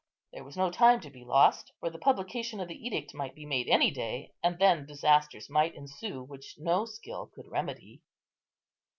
There was no time to be lost, for the publication of the edict might be made any day; and then disasters might ensue which no skill could remedy.